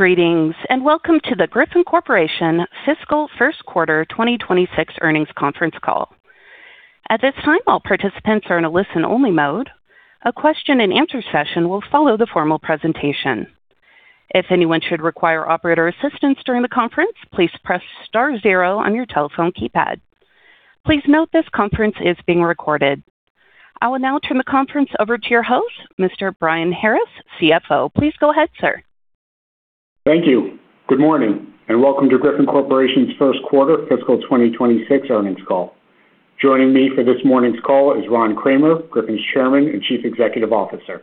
Greetings, and welcome to the Griffon Corporation Fiscal First Quarter 2026 Earnings Conference Call. At this time, all participants are in a listen-only mode. A question-and-answer session will follow the formal presentation. If anyone should require operator assistance during the conference, please press star zero on your telephone keypad. Please note this conference is being recorded. I will now turn the conference over to your host, Mr. Brian Harris, CFO. Please go ahead, sir. Thank you. Good morning, and welcome to Griffon Corporation's first quarter fiscal 2026 earnings call. Joining me for this morning's call is Ron Kramer, Griffon's Chairman and Chief Executive Officer.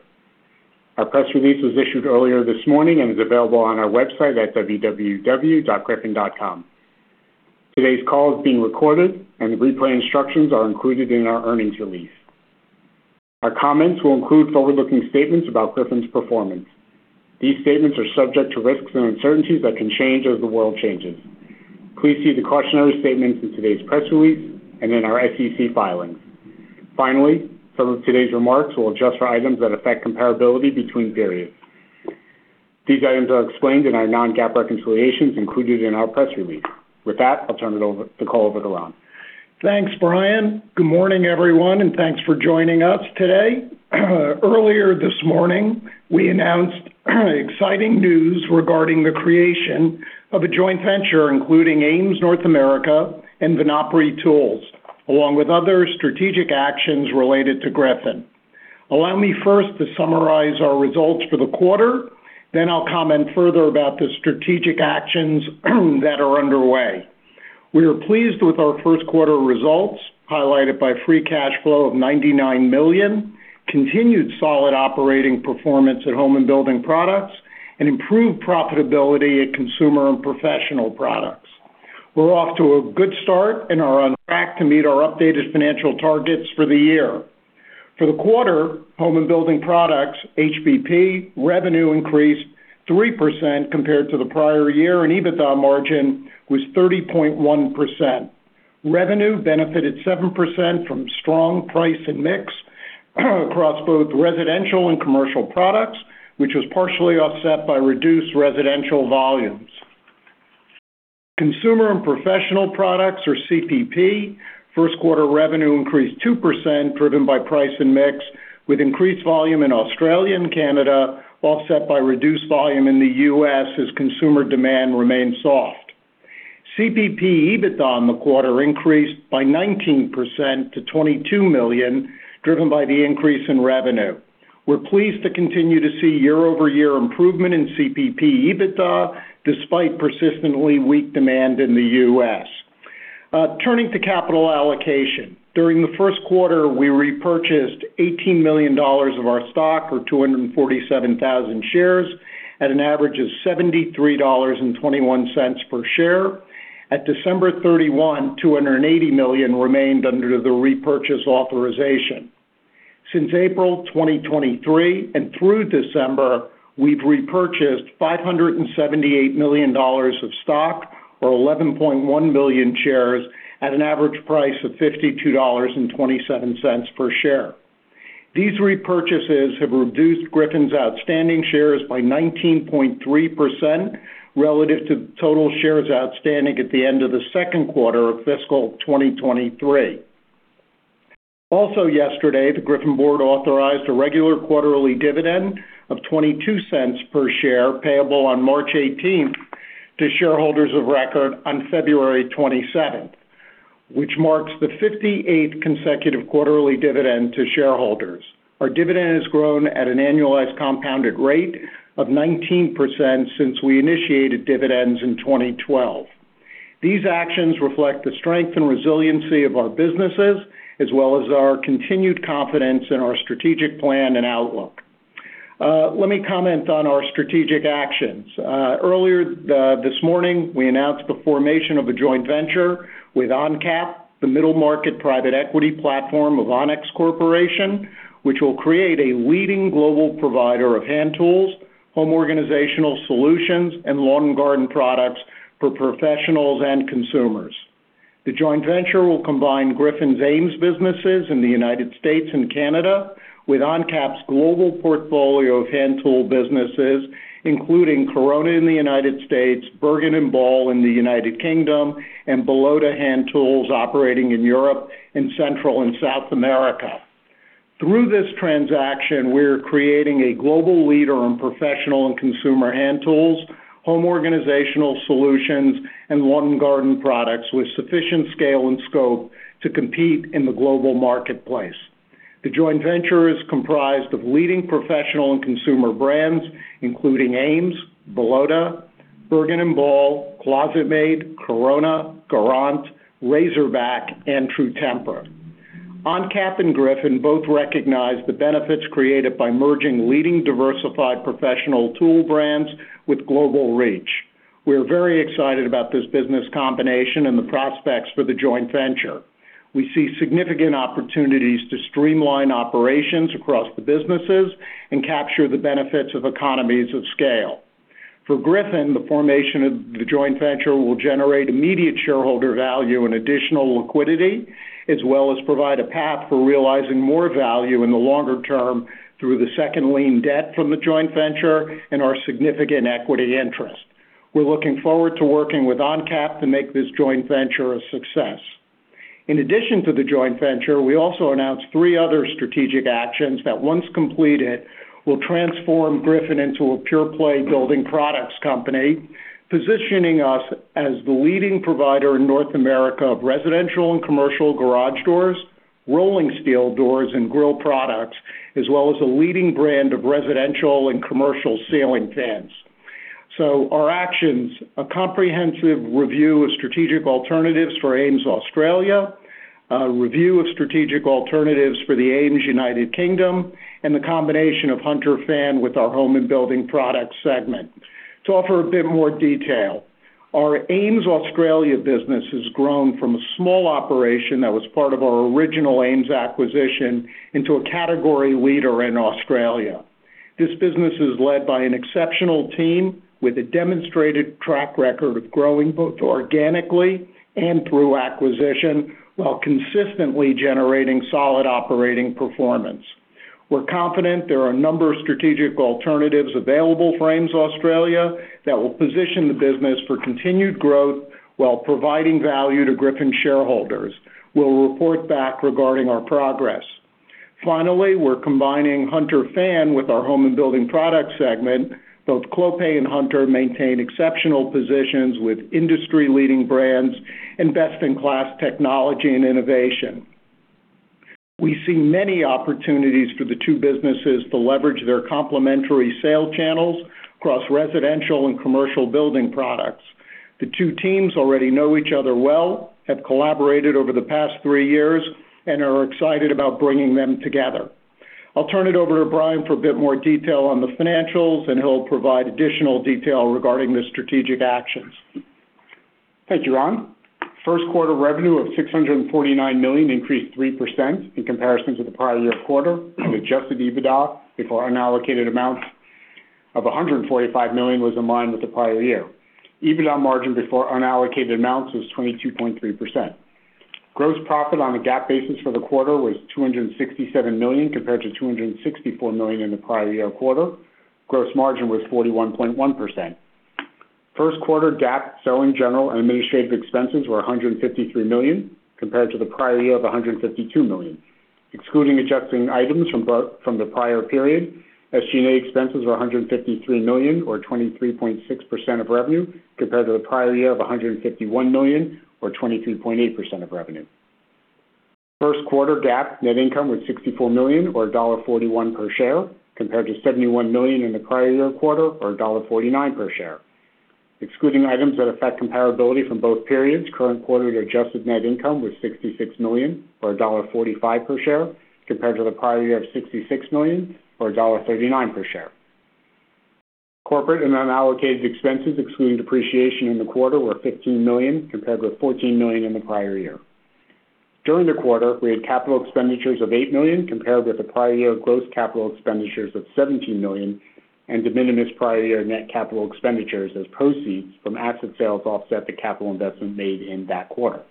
Our press release was issued earlier this morning and is available on our website at www.griffon.com. Today's call is being recorded, and the replay instructions are included in our earnings release. Our comments will include forward-looking statements about Griffon's performance. These statements are subject to risks and uncertainties that can change as the world changes. Please see the cautionary statements in today's press release and in our SEC filings. Finally, some of today's remarks will adjust for items that affect comparability between periods. These items are explained in our non-GAAP reconciliations included in our press release. With that, I'll turn the call over to Ron. Thanks, Brian. Good morning, everyone, and thanks for joining us today. Earlier this morning, we announced exciting news regarding the creation of a joint venture, including AMES North America and Venanpri Tools, along with other strategic actions related to Griffon. Allow me first to summarize our results for the quarter, then I'll comment further about the strategic actions that are underway. We are pleased with our first quarter results, highlighted by free cash flow of $99 million, continued solid operating performance at Home and Building Products, and improved profitability at Consumer and Professional Products. We're off to a good start and are on track to meet our updated financial targets for the year. For the quarter, Home and Building Products, HBP, revenue increased 3% compared to the prior year, and EBITDA margin was 30.1%. Revenue benefited 7% from strong price and mix across both residential and commercial products, which was partially offset by reduced residential volumes. Consumer and Professional Products, or CPP, first quarter revenue increased 2%, driven by price and mix, with increased volume in Australia and Canada, offset by reduced volume in the U.S. as consumer demand remained soft. CPP EBITDA in the quarter increased by 19% to $22 million, driven by the increase in revenue. We're pleased to continue to see year-over-year improvement in CPP EBITDA, despite persistently weak demand in the U.S. Turning to capital allocation. During the first quarter, we repurchased $18 million of our stock, or 247,000 shares, at an average of $73.21 per share. At December 31, $280 million remained under the repurchase authorization. Since April 2023 and through December, we've repurchased $578 million of stock, or 11.1 million shares, at an average price of $52.27 per share. These repurchases have reduced Griffon's outstanding shares by 19.3% relative to total shares outstanding at the end of the second quarter of fiscal 2023. Also yesterday, the Griffon board authorized a regular quarterly dividend of $0.22 per share, payable on March 18th to shareholders of record on February 27, which marks the 58th consecutive quarterly dividend to shareholders. Our dividend has grown at an annualized compounded rate of 19% since we initiated dividends in 2012. These actions reflect the strength and resiliency of our businesses, as well as our continued confidence in our strategic plan and outlook. Let me comment on our strategic actions. Earlier this morning, we announced the formation of a joint venture with ONCAP, the middle-market private equity platform of Onex Corporation, which will create a leading global provider of hand tools, home organizational solutions, and lawn and garden products for professionals and consumers. The joint venture will combine Griffon's AMES businesses in the United States and Canada with ONCAP's global portfolio of hand tool businesses, including Corona in the United States, Burgon & Ball in the United Kingdom, and Bellota Hand Tools operating in Europe and Central and South America. Through this transaction, we're creating a global leader in professional and consumer hand tools, home organizational solutions, and lawn and garden products with sufficient scale and scope to compete in the global marketplace. The joint venture is comprised of leading professional and consumer brands, including AMES, Bellota, Burgon & Ball, ClosetMaid, Corona, Garant, Razor-Back, and True Temper. ONCAP and Griffon both recognize the benefits created by merging leading diversified professional tool brands with global reach. We're very excited about this business combination and the prospects for the joint venture. We see significant opportunities to streamline operations across the businesses and capture the benefits of economies of scale. For Griffon, the formation of the joint venture will generate immediate shareholder value and additional liquidity, as well as provide a path for realizing more value in the longer term through the second lien debt from the joint venture and our significant equity interest.... We're looking forward to working with ONCAP to make this joint venture a success. In addition to the joint venture, we also announced three other strategic actions that, once completed, will transform Griffon into a pure-play building products company, positioning us as the leading provider in North America of residential and commercial garage doors, rolling steel doors, and grille products, as well as a leading brand of residential and commercial ceiling fans. So our actions, a comprehensive review of strategic alternatives for AMES Australia, a review of strategic alternatives for the AMES United Kingdom, and the combination of Hunter Fan with our Home and Building Products segment. To offer a bit more detail, our AMES Australia business has grown from a small operation that was part of our original AMES acquisition into a category leader in Australia. This business is led by an exceptional team with a demonstrated track record of growing both organically and through acquisition, while consistently generating solid operating performance. We're confident there are a number of strategic alternatives available for AMES Australia that will position the business for continued growth while providing value to Griffon shareholders. We'll report back regarding our progress. Finally, we're combining Hunter Fan with our Home and Building Products segment. Both Clopay and Hunter maintain exceptional positions with industry-leading brands and best-in-class technology and innovation. We see many opportunities for the two businesses to leverage their complementary sales channels across residential and commercial building products. The two teams already know each other well, have collaborated over the past three years, and are excited about bringing them together. I'll turn it over to Brian for a bit more detail on the financials, and he'll provide additional detail regarding the strategic actions. Thank you, Ron. First quarter revenue of $649 million increased 3% in comparison to the prior year quarter, and Adjusted EBITDA before unallocated amounts of $145 million was in line with the prior year. EBITDA margin before unallocated amounts was 22.3%. Gross profit on a GAAP basis for the quarter was $267 million, compared to $264 million in the prior year quarter. Gross margin was 41.1%. First quarter GAAP selling general and administrative expenses were $153 million, compared to the prior year of $152 million. Excluding adjusting items from both the prior period, SG&A expenses were $153 million or 23.6% of revenue, compared to the prior year of $151 million or 22.8% of revenue. First quarter GAAP net income was $64 million or $1.41 per share, compared to $71 million in the prior year quarter or $1.49 per share. Excluding items that affect comparability from both periods, current quarter's adjusted net income was $66 million or $1.45 per share, compared to the prior year of $66 million or $1.39 per share. Corporate and unallocated expenses, excluding depreciation in the quarter, were $15 million, compared with $14 million in the prior year. During the quarter, we had capital expenditures of $8 million, compared with the prior year gross capital expenditures of $17 million, and de minimis prior year net capital expenditures as proceeds from asset sales offset the capital investment made in that quarter.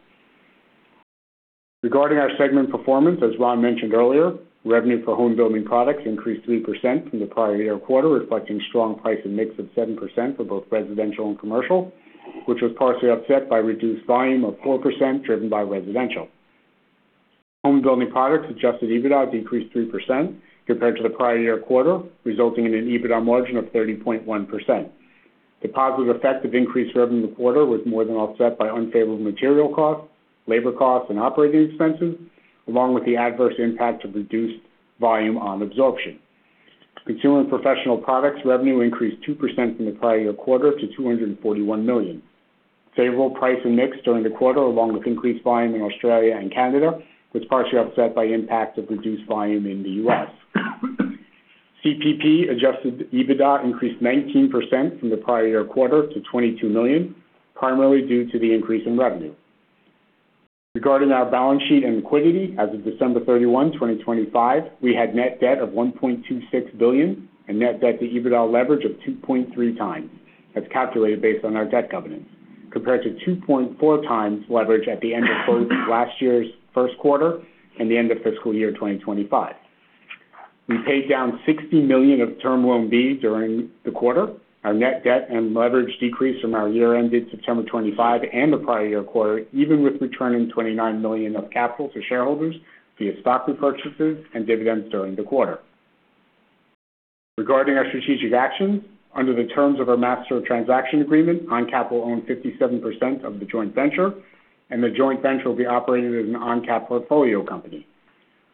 Regarding our segment performance, as Ron mentioned earlier, revenue for Home and Building Products increased 3% from the prior year quarter, reflecting strong price and mix of 7% for both residential and commercial, which was partially offset by reduced volume of 4%, driven by residential. Home and Building Products Adjusted EBITDA decreased 3% compared to the prior year quarter, resulting in an EBITDA margin of 30.1%. The positive effect of increased revenue in the quarter was more than offset by unfavorable material costs, labor costs, and operating expenses, along with the adverse impact of reduced volume on absorption. Consumer and Professional Products revenue increased 2% from the prior year quarter to $241 million. Favorable price and mix during the quarter, along with increased volume in Australia and Canada, was partially offset by impacts of reduced volume in the US. CPP Adjusted EBITDA increased 19% from the prior year quarter to $22 million, primarily due to the increase in revenue. Regarding our balance sheet and liquidity, as of December 31, 2025, we had net debt of $1.26 billion and net debt to EBITDA leverage of 2.3 times, as calculated based on our debt covenants, compared to 2.4 times leverage at the end of last year's first quarter and the end of fiscal year 2025. We paid down $60 million of Term Loan B during the quarter. Our net debt and leverage decreased from our year-ended September 2025 and the prior year quarter, even with returning $29 million of capital to shareholders via stock repurchases and dividends during the quarter. Regarding our strategic actions, under the terms of our master transaction agreement, ONCAP owned 57% of the joint venture, and the joint venture will be operated as an ONCAP portfolio company.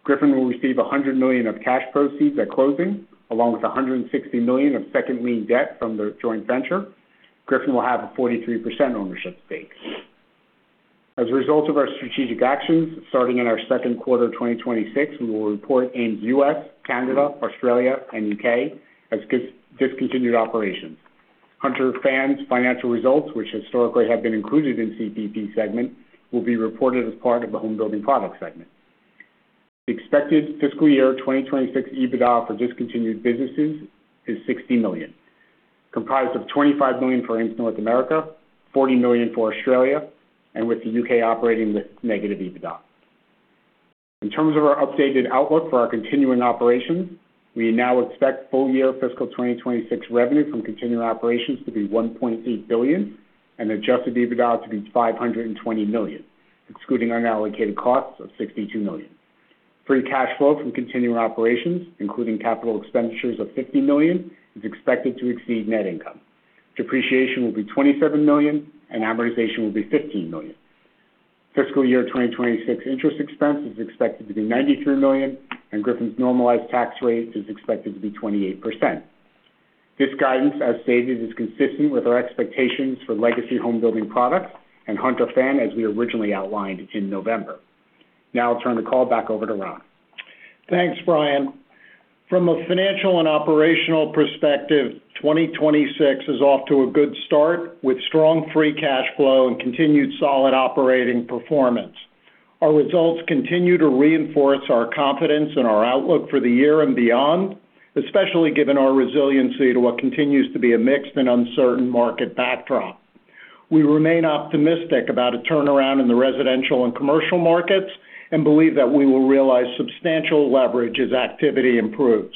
Griffon will receive $100 million of cash proceeds at closing, along with $160 million of second lien debt from the joint venture. Griffon will have a 43% ownership stake. As a result of our strategic actions, starting in our second quarter of 2026, we will report in U.S., Canada, Australia, and U.K. as discontinued operations. Hunter Fan's financial results, which historically have been included in CPP segment, will be reported as part of the Home and Building Products segment. The expected fiscal year 2026 EBITDA for discontinued businesses is $60 million, comprised of $25 million for AMES North America, $40 million for Australia, and with the U.K. operating with negative EBITDA.... In terms of our updated outlook for our continuing operations, we now expect full-year fiscal 2026 revenue from continuing operations to be $1.8 billion, and Adjusted EBITDA to be $520 million, excluding unallocated costs of $62 million. Free cash flow from continuing operations, including capital expenditures of $50 million, is expected to exceed net income. Depreciation will be $27 million, and amortization will be $15 million. Fiscal year 2026 interest expense is expected to be $93 million, and Griffon's normalized tax rate is expected to be 28%. This guidance, as stated, is consistent with our expectations for legacy home building products and Hunter Fan, as we originally outlined in November. Now I'll turn the call back over to Ron. Thanks, Brian. From a financial and operational perspective, 2026 is off to a good start, with strong free cash flow and continued solid operating performance. Our results continue to reinforce our confidence in our outlook for the year and beyond, especially given our resiliency to what continues to be a mixed and uncertain market backdrop. We remain optimistic about a turnaround in the residential and commercial markets and believe that we will realize substantial leverage as activity improves.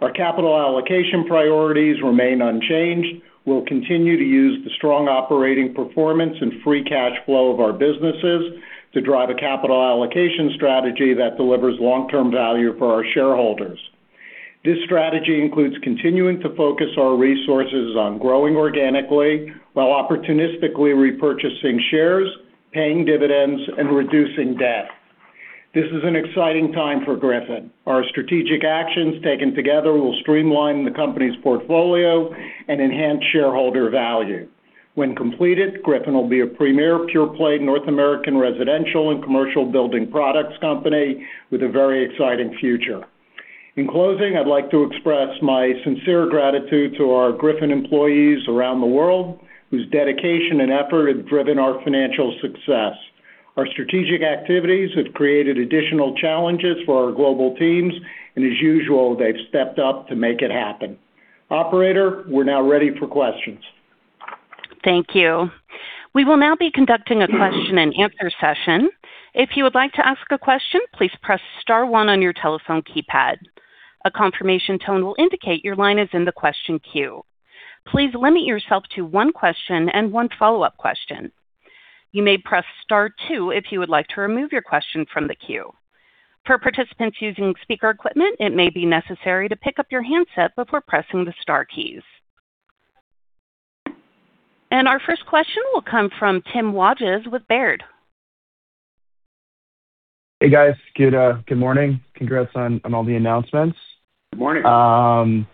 Our capital allocation priorities remain unchanged. We'll continue to use the strong operating performance and free cash flow of our businesses to drive a capital allocation strategy that delivers long-term value for our shareholders. This strategy includes continuing to focus our resources on growing organically while opportunistically repurchasing shares, paying dividends, and reducing debt. This is an exciting time for Griffon. Our strategic actions, taken together, will streamline the company's portfolio and enhance shareholder value. When completed, Griffon will be a premier, pure-play, North American residential and commercial building products company with a very exciting future. In closing, I'd like to express my sincere gratitude to our Griffon employees around the world, whose dedication and effort have driven our financial success. Our strategic activities have created additional challenges for our global teams, and as usual, they've stepped up to make it happen. Operator, we're now ready for questions. Thank you. We will now be conducting a question-and-answer session. If you would like to ask a question, please press star one on your telephone keypad. A confirmation tone will indicate your line is in the question queue. Please limit yourself to one question and one follow-up question. You may press star two if you would like to remove your question from the queue. For participants using speaker equipment, it may be necessary to pick up your handset before pressing the star keys. Our first question will come from Tim Wojs with Baird. Hey, guys. Good morning. Congrats on all the announcements. Good morning.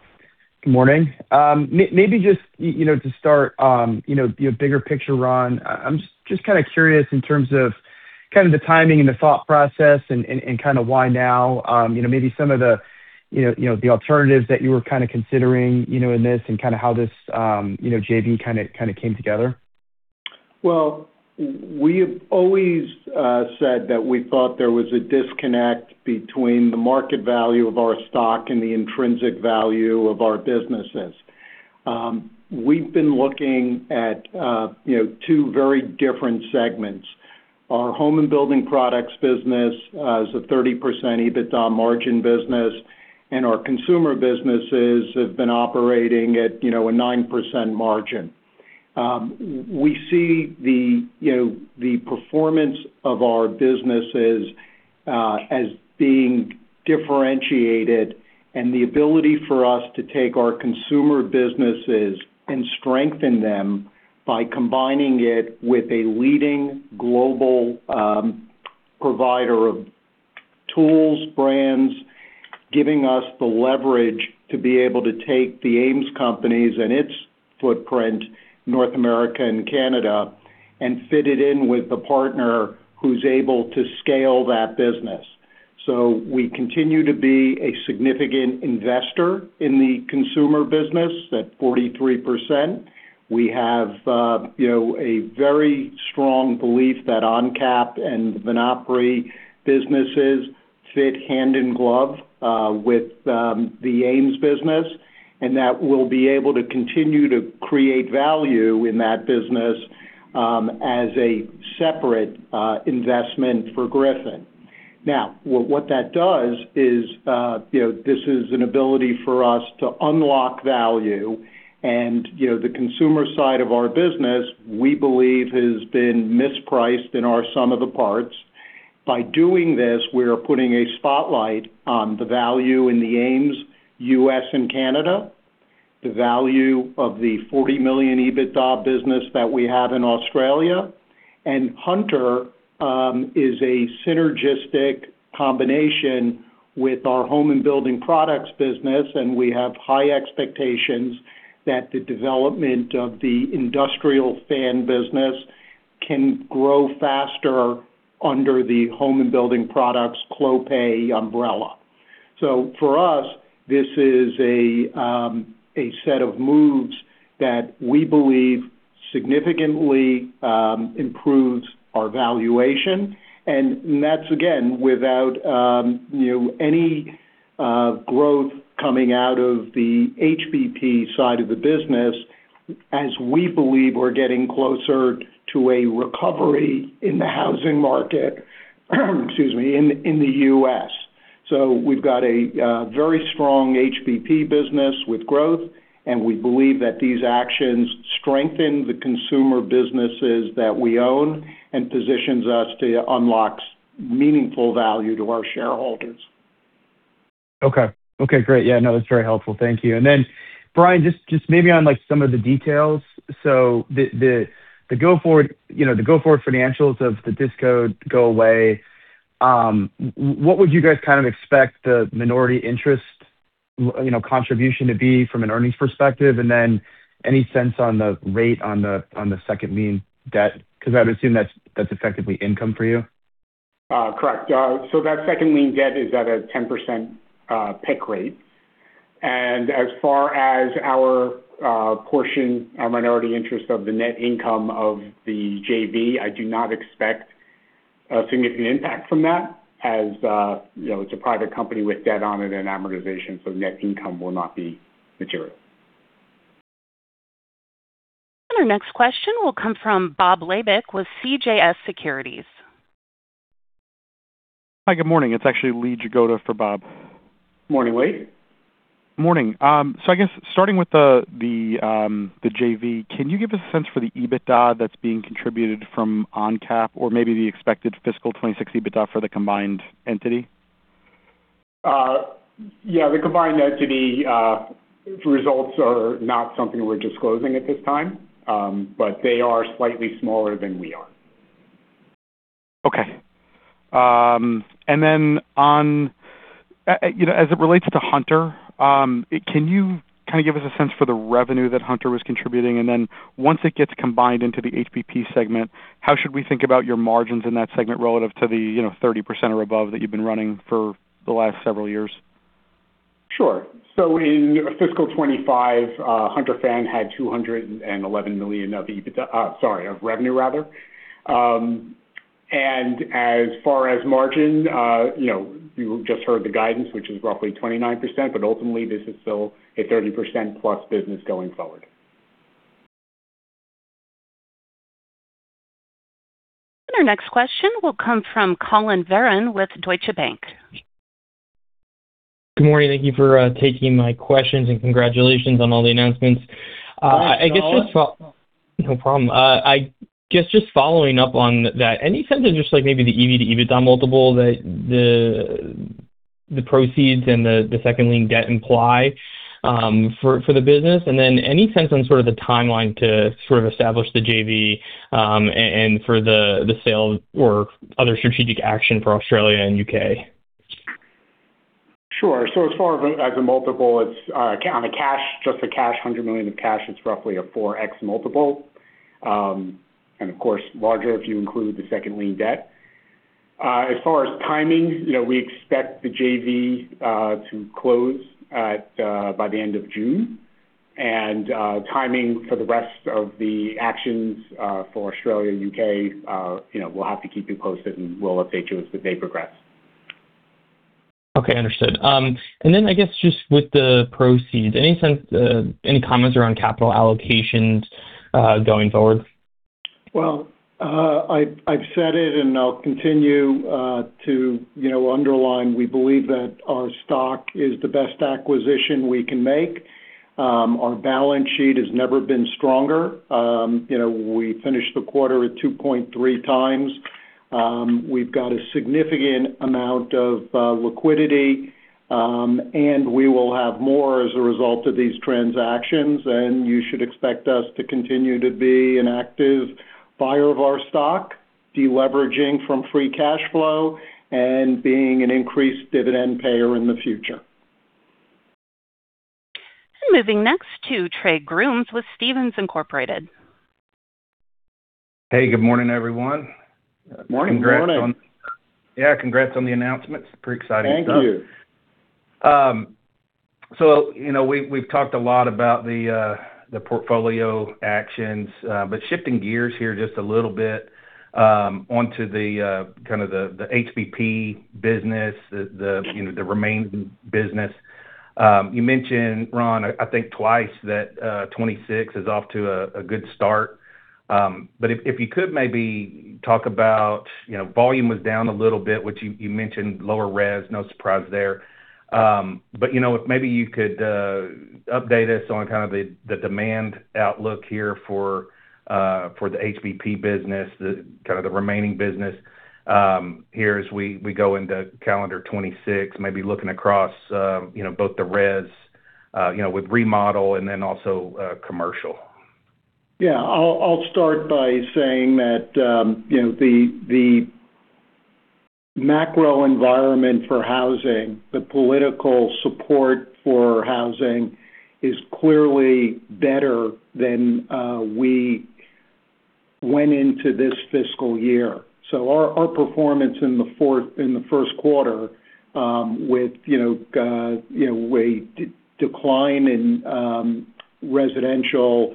Good morning. Maybe just, you know, to start, you know, the bigger picture, Ron, I'm just kind of curious in terms of kind of the timing and the thought process and kind of why now? You know, maybe some of the, you know, the alternatives that you were kind of considering, you know, in this and kind of how this, you know, JV kind of came together. Well, we have always said that we thought there was a disconnect between the market value of our stock and the intrinsic value of our businesses. We've been looking at, you know, two very different segments. Our Home and Building Products business is a 30% EBITDA margin business, and our consumer businesses have been operating at, you know, a 9% margin. We see the, you know, the performance of our businesses as being differentiated and the ability for us to take our consumer businesses and strengthen them by combining it with a leading global provider of tools, brands, giving us the leverage to be able to take the AMES companies and its footprint, North America and Canada, and fit it in with the partner who's able to scale that business. So we continue to be a significant investor in the consumer business, at 43%. We have, you know, a very strong belief that ONCAP and Venanpri businesses fit hand in glove with the AMES business, and that we'll be able to continue to create value in that business, as a separate investment for Griffon. Now, what that does is, you know, this is an ability for us to unlock value, and, you know, the consumer side of our business, we believe, has been mispriced in our sum of the parts. By doing this, we are putting a spotlight on the value in the AMES, U.S. and Canada, the value of the $40 million EBITDA business that we have in Australia. Hunter is a synergistic combination with our Home and Building Products business, and we have high expectations that the development of the industrial fan business can grow faster under the Home and Building Products Clopay umbrella. So for us, this is a set of moves that we believe significantly improves our valuation. And that's, again, without you know any growth coming out of the HBP side of the business, as we believe we're getting closer to a recovery in the housing market, excuse me, in the U.S. So we've got a very strong HBP business with growth, and we believe that these actions strengthen the consumer businesses that we own and positions us to unlock meaningful value to our shareholders. Okay. Okay, great. Yeah, no, that's very helpful. Thank you. And then, Brian, just maybe on, like, some of the details. So the go-forward financials of the disco go away, what would you guys kind of expect the minority interest, you know, contribution to be from an earnings perspective? And then any sense on the rate on the second lien debt, 'cause I would assume that's effectively income for you? Correct. So that second lien debt is at a 10% PIK rate. And as far as our portion, our minority interest of the net income of the JV, I do not expect a significant impact from that as, you know, it's a private company with debt on it and amortization, so net income will not be material. Our next question will come from Bob Labick with CJS Securities. Hi, good morning. It's actually Lee Jagoda for Bob. Morning, Lee. Morning. So I guess starting with the JV, can you give us a sense for the EBITDA that's being contributed from ONCAP or maybe the expected fiscal 2026 EBITDA for the combined entity? Yeah, the combined entity results are not something we're disclosing at this time, but they are slightly smaller than we are. Okay. And then on, you know, as it relates to Hunter, can you kind of give us a sense for the revenue that Hunter was contributing? And then once it gets combined into the HBP segment, how should we think about your margins in that segment relative to the, you know, 30% or above that you've been running for the last several years? Sure. So in fiscal 2025, Hunter Fan had $211 million of EBITDA, sorry, of revenue rather. And as far as margin, you know, you just heard the guidance, which is roughly 29%, but ultimately this is still a 30%+ business going forward. Our next question will come from Collin Verron with Deutsche Bank. Good morning. Thank you for taking my questions and congratulations on all the announcements. Thanks, Collin. I guess just— No problem. Just following up on that, any sense of just like maybe the EV to EBITDA multiple that the proceeds and the second lien debt imply for the business? And then any sense on sort of the timeline to sort of establish the JV and for the sale or other strategic action for Australia and U.K.? Sure. So as far as a multiple, it's on a cash, just a cash $100 million of cash, it's roughly a 4x multiple. And of course, larger, if you include the second lien debt. As far as timing, you know, we expect the JV to close by the end of June. And timing for the rest of the actions for Australia and U.K., you know, we'll have to keep you posted, and we'll update you as they progress. Okay, understood. And then I guess just with the proceeds, any sense, any comments around capital allocations, going forward? Well, I've said it and I'll continue to you know underline, we believe that our stock is the best acquisition we can make. Our balance sheet has never been stronger. You know, we finished the quarter at 2.3 times. We've got a significant amount of liquidity, and we will have more as a result of these transactions, and you should expect us to continue to be an active buyer of our stock, deleveraging from free cash flow and being an increased dividend payer in the future. Moving next to Trey Grooms with Stephens Incorporated. Hey, good morning, everyone. Morning, morning. Congrats on... Yeah, congrats on the announcements. Pretty exciting stuff. Thank you. So you know, we've talked a lot about the portfolio actions, but shifting gears here just a little bit, onto the kind of the HBP business, you know, the remaining business. You mentioned, Ron, I think twice, that 2026 is off to a good start. But if you could maybe talk about, you know, volume was down a little bit, which you mentioned lower res, no surprise there. But you know, if maybe you could update us on kind of the demand outlook here for the HBP business, the kind of the remaining business, here as we go into calendar 2026, maybe looking across, you know, both the res, you know, with remodel and then also commercial. Yeah. I'll start by saying that, you know, the macro environment for housing, the political support for housing is clearly better than we went into this fiscal year. So our performance in the fourth—in the first quarter, with, you know, a decline in residential,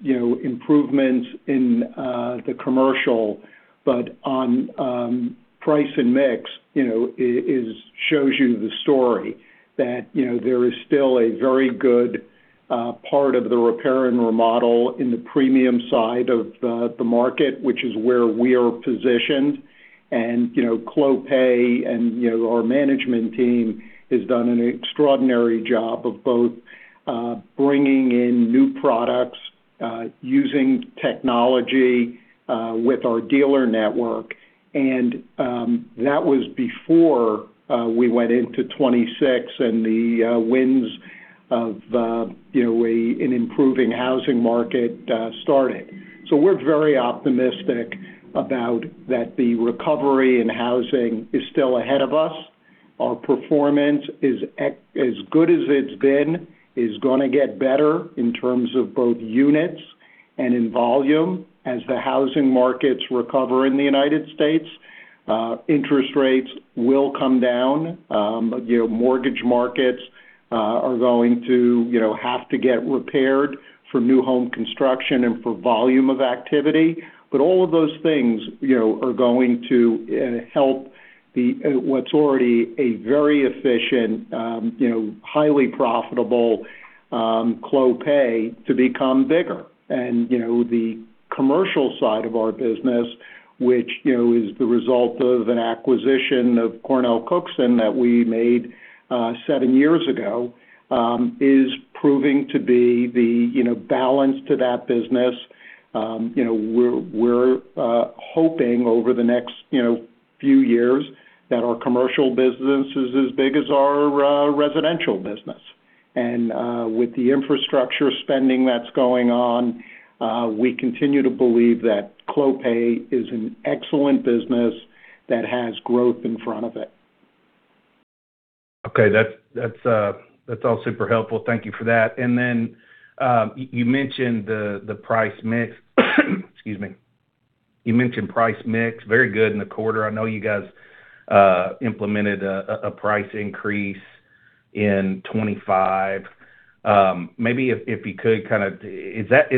you know, improvements in the commercial... But on price and mix, you know, it shows you the story that, you know, there is still a very good part of the repair and remodel in the premium side of the market, which is where we are positioned. And, you know, Clopay and, you know, our management team has done an extraordinary job of both bringing in new products, using technology with our dealer network. That was before we went into 2026 and the winds of, you know, an improving housing market started. So we're very optimistic about that the recovery in housing is still ahead of us. Our performance is, as good as it's been, gonna get better in terms of both units and in volume. As the housing markets recover in the United States, interest rates will come down. You know, mortgage markets are going to, you know, have to get repaired for new home construction and for volume of activity. But all of those things, you know, are going to help the, what's already a very efficient, you know, highly profitable, Clopay to become bigger. You know, the commercial side of our business, which, you know, is the result of an acquisition of CornellCookson that we made seven years ago, is proving to be the, you know, balance to that business. You know, we're hoping over the next, you know, few years that our commercial business is as big as our residential business. With the infrastructure spending that's going on, we continue to believe that Clopay is an excellent business that has growth in front of it. Okay. That's all super helpful. Thank you for that. And then, you mentioned the price mix, excuse me. You mentioned price mix. Very good in the quarter. I know you guys implemented a price increase in 2025. Maybe if you could kind of... Is that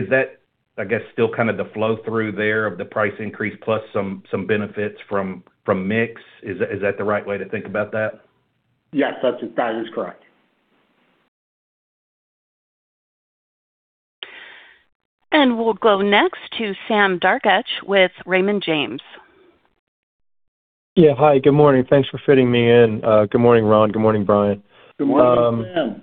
still kind of the flow-through there of the price increase, plus some benefits from mix? Is that the right way to think about that? Yes, that is correct. We'll go next to Sam Darkatsh with Raymond James. Yeah. Hi, good morning. Thanks for fitting me in. Good morning, Ron. Good morning, Brian. Good morning, Sam.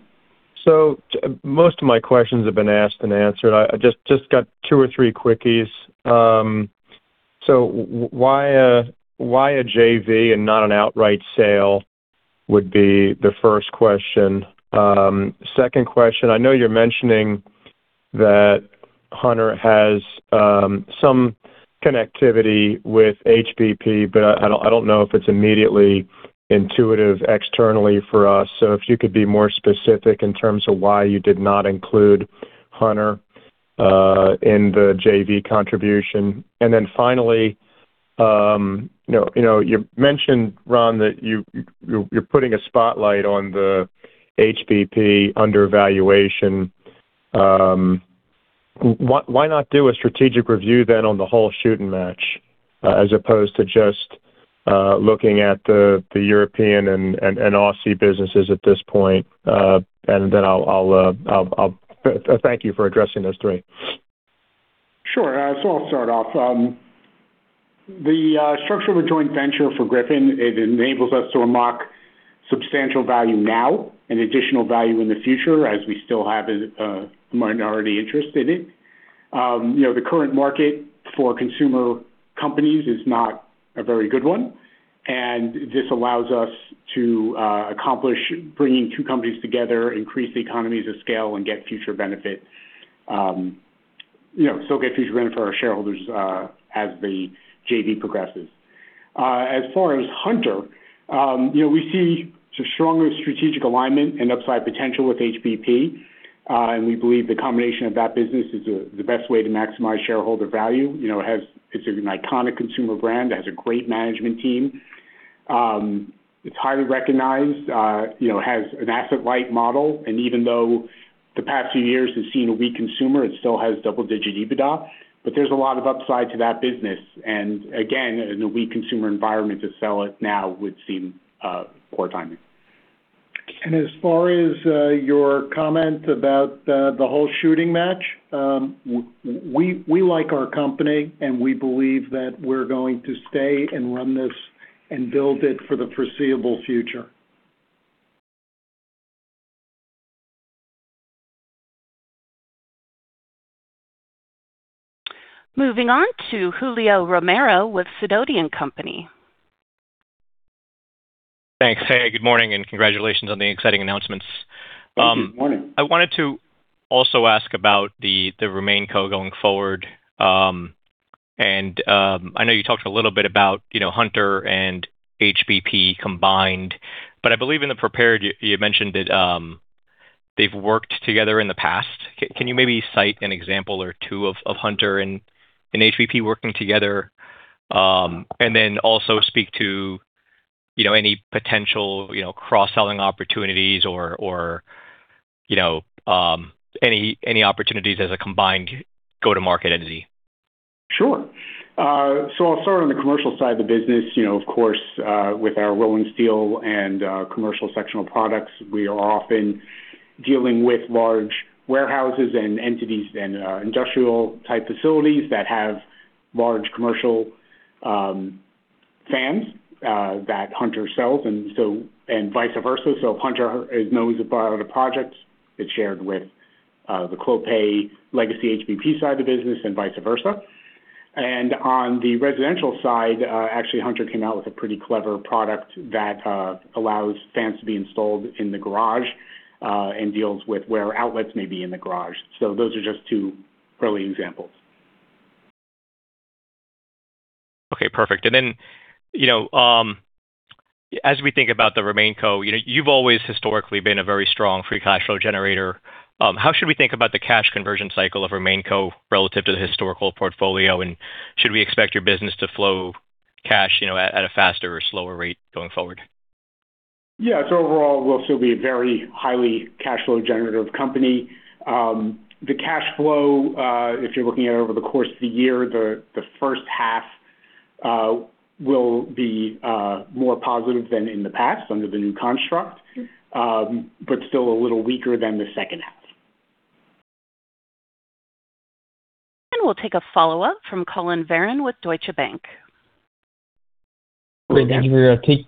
So most of my questions have been asked and answered. I just got two or three quickies. So why a JV and not an outright sale? Would be the first question. Second question, I know you're mentioning that Hunter has some connectivity with HBP, but I don't know if it's immediately intuitive externally for us. So if you could be more specific in terms of why you did not include Hunter in the JV contribution. And then finally, you know, you mentioned, Ron, that you're putting a spotlight on the HBP under valuation. Why not do a strategic review then on the whole shooting match as opposed to just looking at the European and Aussie businesses at this point? And then I'll... Thank you for addressing those three. Sure. So I'll start off. The structure of a joint venture for Griffon, it enables us to unlock substantial value now and additional value in the future, as we still have a minority interest in it. You know, the current market for consumer companies is not a very good one, and this allows us to accomplish bringing two companies together, increase the economies of scale, and get future benefit. You know, still get future benefit for our shareholders, as the JV progresses. As far as Hunter, you know, we see stronger strategic alignment and upside potential with HBP, and we believe the combination of that business is the best way to maximize shareholder value. You know, it has. It's an iconic consumer brand, it has a great management team. It's highly recognized, you know, has an asset-light model, and even though the past few years has seen a weak consumer, it still has double-digit EBITDA. But there's a lot of upside to that business, and again, in a weak consumer environment, to sell it now would seem poor timing. As far as your comment about the whole shooting match, we like our company, and we believe that we're going to stay and run this and build it for the foreseeable future. Moving on to Julio Romero with Sidoti & Company. Thanks. Hey, good morning, and congratulations on the exciting announcements. Thank you. Morning. I wanted to also ask about the RemainCo going forward. And I know you talked a little bit about, you know, Hunter and HBP combined, but I believe in the prepared, you mentioned that they've worked together in the past. Can you maybe cite an example or two of Hunter and HBP working together? And then also speak to, you know, any potential, you know, cross-selling opportunities or, you know, any opportunities as a combined go-to-market entity? Sure. So I'll start on the commercial side of the business. You know, of course, with our rolling steel and commercial sectional products, we are often dealing with large warehouses and entities and industrial-type facilities that have large commercial fans that Hunter sells, and so and vice versa. So if Hunter is knows about other projects, it's shared with the Clopay legacy HBP side of the business, and vice versa. And on the residential side, actually, Hunter came out with a pretty clever product that allows fans to be installed in the garage and deals with where outlets may be in the garage. So those are just two early examples. Okay, perfect. And then, you know, as we think about the RemainCo, you know, you've always historically been a very strong free cash flow generator. How should we think about the cash conversion cycle of RemainCo relative to the historical portfolio? And should we expect your business to flow cash, you know, at a faster or slower rate going forward? Yeah. So overall, we'll still be a very highly cash flow generative company. The cash flow, if you're looking at it over the course of the year, the first half will be more positive than in the past under the new construct, but still a little weaker than the second half. We'll take a follow-up from Collin Verron with Deutsche Bank. Great, thank you.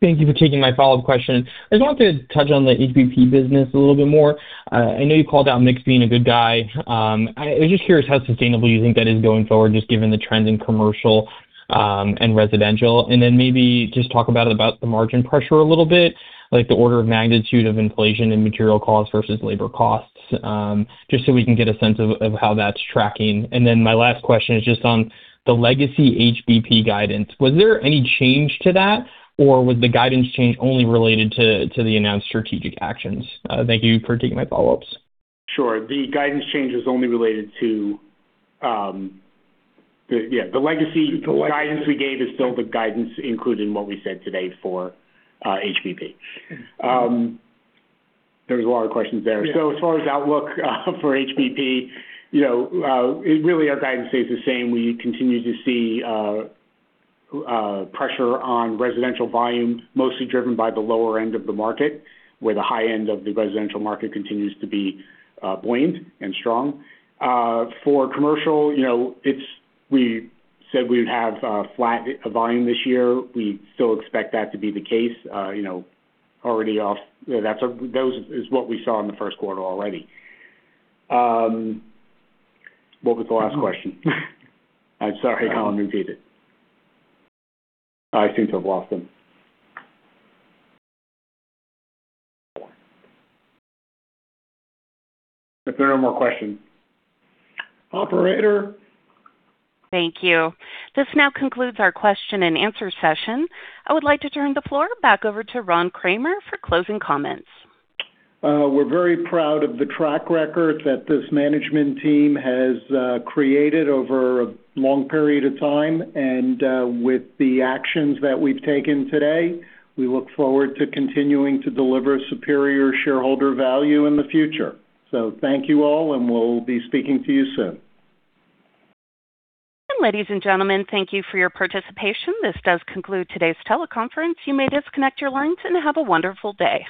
Thank you for taking my follow-up question. I just wanted to touch on the HBP business a little bit more. I know you called out mix being a good guy. I was just curious how sustainable you think that is going forward, just given the trends in commercial and residential, and then maybe just talk about the margin pressure a little bit, like the order of magnitude of inflation and material costs versus labor costs, just so we can get a sense of how that's tracking. And then my last question is just on the legacy HBP guidance. Was there any change to that, or was the guidance change only related to the announced strategic actions? Thank you for taking my follow-ups. Sure. The guidance change is only related to the legacy, the guidance we gave is still the guidance, including what we said today for HBP. There was a lot of questions there. So as far as outlook for HBP, you know, really our guidance stays the same. We continue to see pressure on residential volume, mostly driven by the lower end of the market, where the high end of the residential market continues to be buoyant and strong. For commercial, you know, we said we'd have flat volume this year. We still expect that to be the case. You know, already off, that's what we saw in the first quarter already. What was the last question? I'm sorry, Collin, repeat it. I seem to have lost them. If there are no more questions, Operator? Thank you. This now concludes our question and answer session. I would like to turn the floor back over to Ron Kramer for closing comments. We're very proud of the track record that this management team has created over a long period of time, and with the actions that we've taken today, we look forward to continuing to deliver superior shareholder value in the future. So thank you all, and we'll be speaking to you soon. Ladies and gentlemen, thank you for your participation. This does conclude today's teleconference. You may disconnect your lines, and have a wonderful day.